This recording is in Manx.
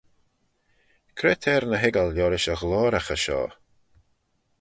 Cre t'er ny hoiggal liorish y ghloyraghey shoh?